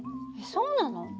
そうなの？